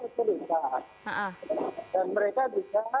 masih punya peran